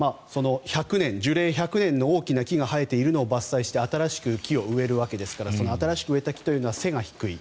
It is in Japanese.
樹齢１００年の大きな木が生えているのを伐採して新しく木を植えるわけですから新しく植えた木というのは背が低い。